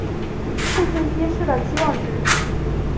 互信息是的期望值。